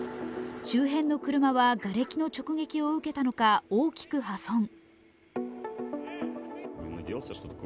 周辺の車はがれきの直撃を受けたのか、大きく破損。